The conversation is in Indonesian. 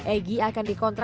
egy akan dikontrak